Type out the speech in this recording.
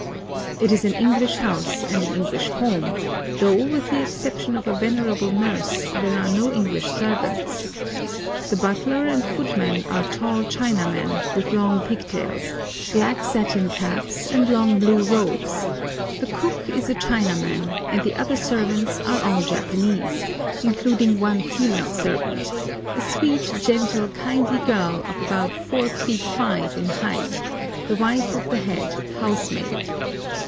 It is an English house and an English home, though, with the exception of a venerable nurse, there are no English servants. The butler and footman are tall Chinamen, with long pig tails, black satin caps, and long blue robes; the cook is a Chinaman, and the other servants are all Japanese, including one female servant, a sweet, gentle, kindly girl about 4 feet 5 in height, the wife of the head "housemaid."